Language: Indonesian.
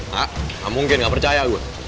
tak gak mungkin gak percaya gue